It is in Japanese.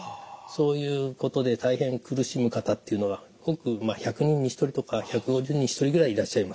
そういうことで大変苦しむ方っていうのが１００人に１人とか１５０人に１人ぐらいいらっしゃいますね。